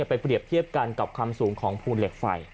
ไปเปรียบเทียบกันกับความสูงของภูเหล็กไฟ